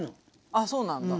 ああそうなんだ。